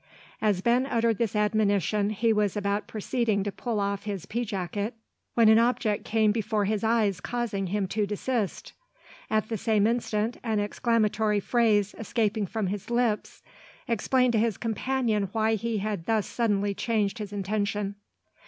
As Ben uttered this admonition he was about proceeding to pull off his pea jacket, when an object came before his eyes causing him to desist. At the same instant an exclamatory phrase escaping from his lips explained to his companion why he had thus suddenly changed his intention.